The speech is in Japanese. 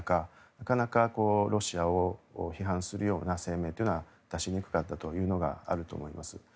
なかなかロシアを批判するような声明は出しにくかったというのがあると思います。